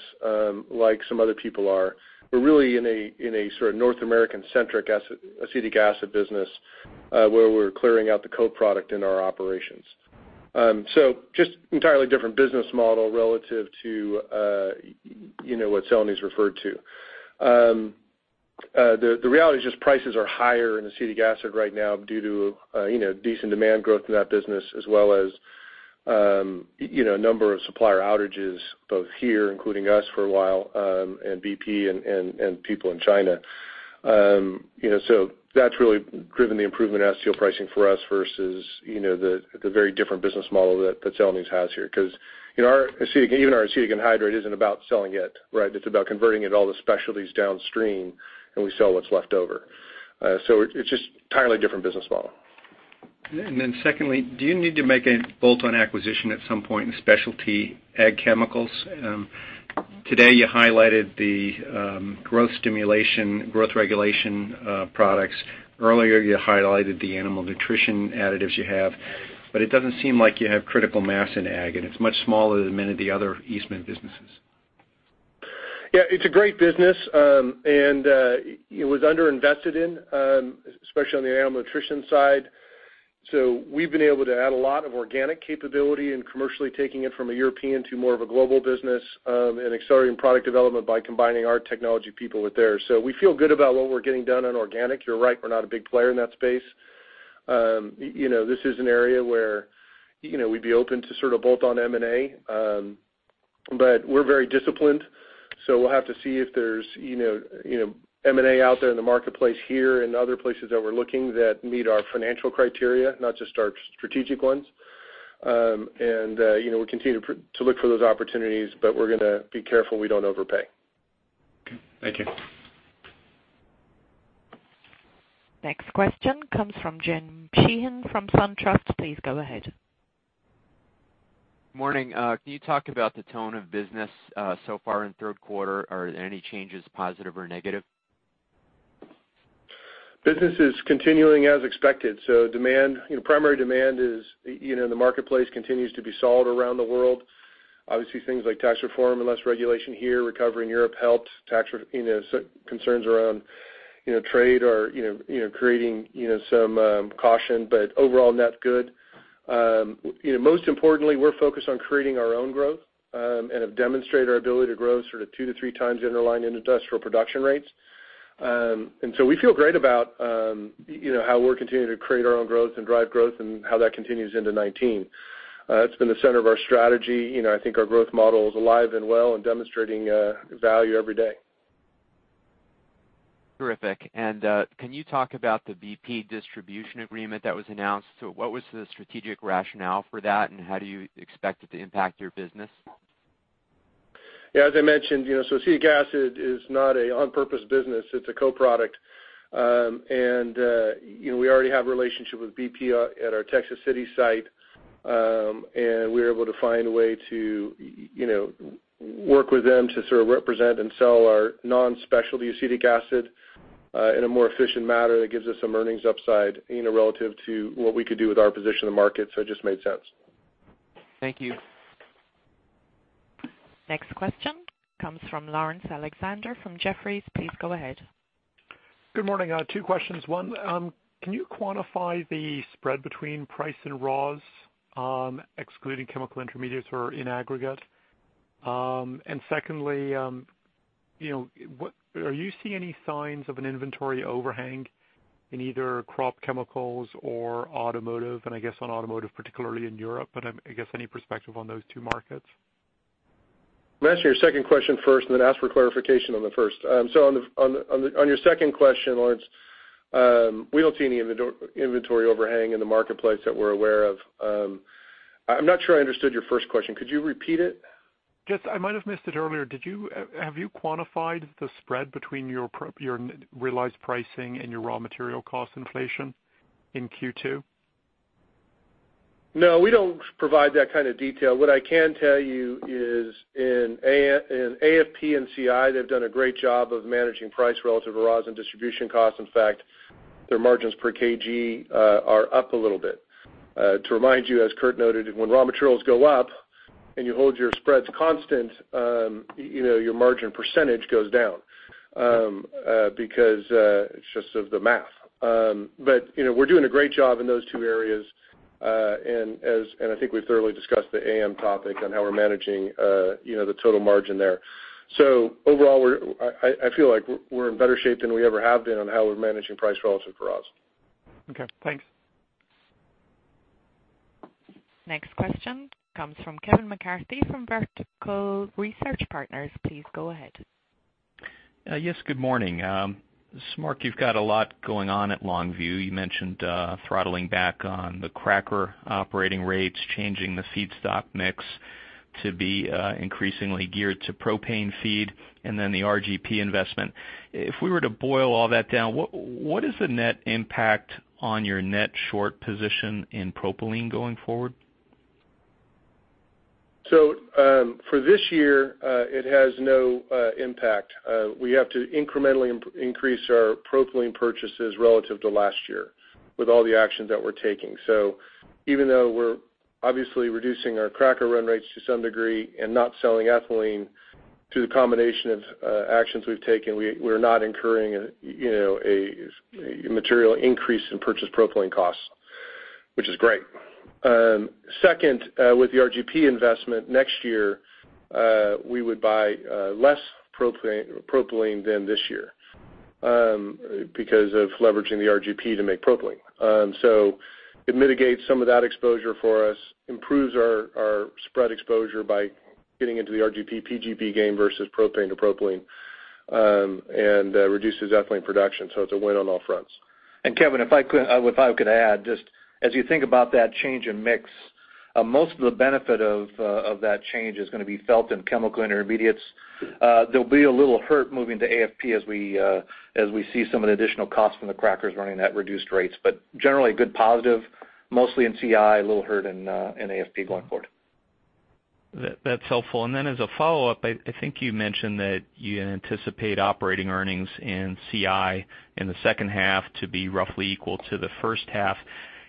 like some other people are. We're really in a sort of North American centric acetic acid business where we're clearing out the co-product in our operations. Just entirely different business model relative to what Celanese referred to. The reality is just prices are higher in acetic acid right now due to decent demand growth in that business as well as a number of supplier outages, both here, including us for a while, and BP and people in China. That's really driven the improvement in acetyl pricing for us versus the very different business model that Celanese has here. Because even our acetic anhydride isn't about selling it, right? It's about converting it all to specialties downstream, and we sell what's left over. It's just entirely different business model. Secondly, do you need to make a bolt-on acquisition at some point in specialty ag chemicals? Today, you highlighted the growth stimulation, growth regulation products. Earlier, you highlighted the animal nutrition additives you have, but it doesn't seem like you have critical mass in ag, and it's much smaller than many of the other Eastman businesses. Yeah. It's a great business, and it was under-invested in, especially on the animal nutrition side. We've been able to add a lot of organic capability and commercially taking it from a European to more of a global business, and accelerating product development by combining our technology people with theirs. We feel good about what we're getting done on organic. You're right, we're not a big player in that space. This is an area where we'd be open to sort of bolt-on M&A. We're very disciplined, so we'll have to see if there's M&A out there in the marketplace here and other places that we're looking that meet our financial criteria, not just our strategic ones. We continue to look for those opportunities, but we're going to be careful we don't overpay. Okay. Thank you. Next question comes from Jennifer Sheehan from SunTrust. Please go ahead. Morning. Can you talk about the tone of business so far in third quarter? Are there any changes, positive or negative? Business is continuing as expected, Primary demand in the marketplace continues to be solid around the world. Obviously things like tax reform and less regulation here, recovery in Europe helps. Concerns around trade are creating some caution, Overall, net good. Most importantly, we're focused on creating our own growth, Have demonstrated our ability to grow sort of two to three times the underlying industrial production rates. We feel great about how we're continuing to create our own growth and drive growth and how that continues into 2019. It's been the center of our strategy. I think our growth model is alive and well and demonstrating value every day. Terrific. Can you talk about the BP distribution agreement that was announced? What was the strategic rationale for that, and how do you expect it to impact your business? Yeah. As I mentioned, Acetic acid is not a on-purpose business, it's a co-product. We already have a relationship with BP at our Texas City site. We were able to find a way to work with them to sort of represent and sell our non-specialty acetic acid in a more efficient manner that gives us some earnings upside relative to what we could do with our position in the market, It just made sense. Thank you. Next question comes from Laurence Alexander from Jefferies. Please go ahead. Good morning. Two questions. One, can you quantify the spread between price and raws, excluding Chemical Intermediates or in aggregate? Secondly, are you seeing any signs of an inventory overhang in either crop chemicals or automotive, and I guess on automotive, particularly in Europe, I guess any perspective on those two markets? I'm going to answer your second question first, then ask for clarification on the first. On your second question, Laurence, we don't see any inventory overhang in the marketplace that we're aware of. I'm not sure I understood your first question. Could you repeat it? Yes. I might have missed it earlier. Have you quantified the spread between your realized pricing and your raw material cost inflation in Q2? No, we don't provide that kind of detail. What I can tell you is in AFP and CI, they've done a great job of managing price relative to raws in distribution costs. Their margins per kg are up a little bit. To remind you, as Curtis noted, when raw materials go up and you hold your spreads constant, your margin percentage goes down, because it's just of the math. We're doing a great job in those two areas. I think we've thoroughly discussed the AM topic on how we're managing the total margin there. Overall, I feel like we're in better shape than we ever have been on how we're managing price relative to raws. Okay, thanks. Next question comes from Kevin McCarthy from Vertical Research Partners. Please go ahead. Yes, good morning. Mark, you've got a lot going on at Longview. You mentioned throttling back on the cracker operating rates, changing the feedstock mix to be increasingly geared to propane feed, and then the RGP investment. If we were to boil all that down, what is the net impact on your net short position in propylene going forward? For this year, it has no impact. We have to incrementally increase our propylene purchases relative to last year with all the actions that we're taking. Even though we're obviously reducing our cracker run rates to some degree and not selling ethylene, through the combination of actions we've taken, we're not incurring a material increase in purchased propylene costs, which is great. Second, with the RGP investment next year, we would buy less propylene than this year because of leveraging the RGP to make propylene. It mitigates some of that exposure for us, improves our spread exposure by getting into the RGP, PGP game versus propane to propylene, and reduces ethylene production. It's a win on all fronts. Kevin, if I could add, just as you think about that change in mix. Most of the benefit of that change is going to be felt in Chemical Intermediates. There'll be a little hurt moving to AFP as we see some of the additional costs from the crackers running at reduced rates. Generally, a good positive, mostly in CI, little hurt in AFP going forward. That's helpful. As a follow-up, I think you mentioned that you anticipate operating earnings in CI in the second half to be roughly equal to the first half.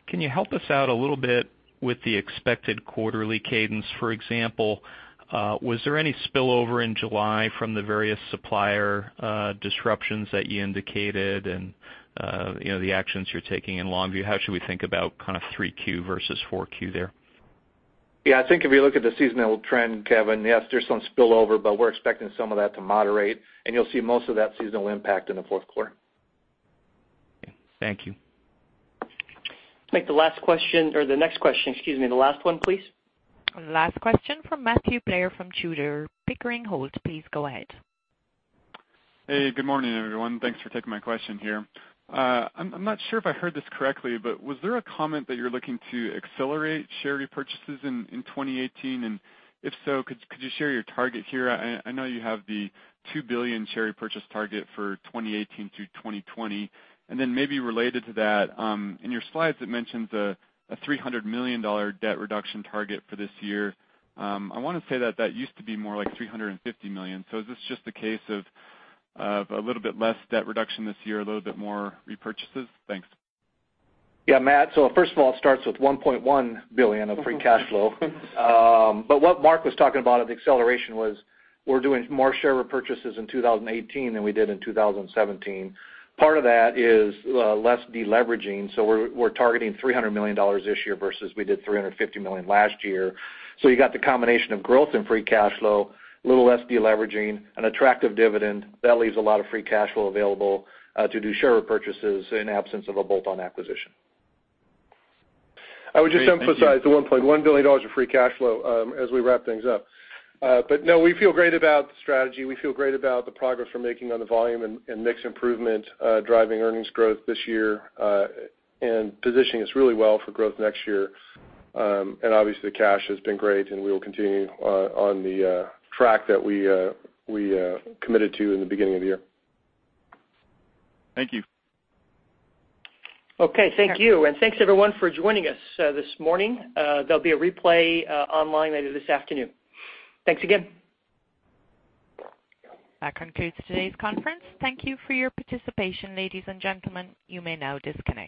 Can you help us out a little bit with the expected quarterly cadence? For example, was there any spillover in July from the various supplier disruptions that you indicated and the actions you're taking in Longview? How should we think about 3Q versus 4Q there? Yeah. I think if you look at the seasonal trend, Kevin, yes, there's some spillover, but we're expecting some of that to moderate, and you'll see most of that seasonal impact in the fourth quarter. Okay. Thank you. Take the last question or the next question, excuse me. The last one, please. Last question from Matthew Blair from Tudor, Pickering Holt. Please go ahead. Hey, good morning, everyone. Thanks for taking my question here. Was there a comment that you're looking to accelerate share repurchases in 2018? If so, could you share your target here? I know you have the $2 billion share repurchase target for 2018 through 2020. Maybe related to that, in your slides, it mentions a $300 million debt reduction target for this year. I want to say that used to be more like $350 million. Is this just a case of a little bit less debt reduction this year, a little bit more repurchases? Thanks. Yeah, Matt. First of all, it starts with $1.1 billion of free cash flow. What Mark was talking about at the acceleration was we're doing more share repurchases in 2018 than we did in 2017. Part of that is less deleveraging. We're targeting $300 million this year versus we did $350 million last year. You got the combination of growth in free cash flow, a little less deleveraging, an attractive dividend. That leaves a lot of free cash flow available to do share repurchases in absence of a bolt-on acquisition. Great. Thank you. I would just emphasize the $1.1 billion of free cash flow as we wrap things up. No, we feel great about the strategy. We feel great about the progress we're making on the volume and mix improvement driving earnings growth this year, and positioning us really well for growth next year. Obviously, the cash has been great, and we will continue on the track that we committed to in the beginning of the year. Thank you. Okay. Thank you. Thanks, everyone, for joining us this morning. There'll be a replay online later this afternoon. Thanks again. That concludes today's conference. Thank you for your participation, ladies and gentlemen. You may now disconnect.